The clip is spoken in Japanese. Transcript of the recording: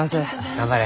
頑張れ。